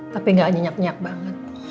tapi gak nyenyak nyenyak banget